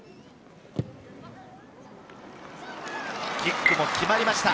キックも決まりました。